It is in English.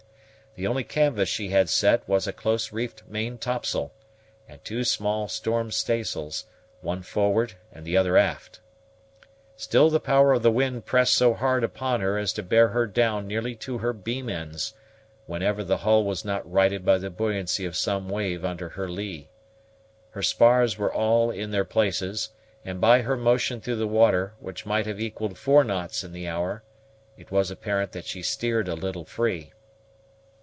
The only canvas she had set was a close reefed main topsail, and two small storm staysails, one forward and the other aft. Still the power of the wind pressed so hard upon her as to bear her down nearly to her beam ends, whenever the hull was not righted by the buoyancy of some wave under her lee. Her spars were all in their places, and by her motion through the water, which might have equalled four knots in the hour, it was apparent that she steered a little free.